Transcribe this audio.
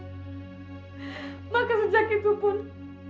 aku menganggapnya sebagai laki laki yang membayarku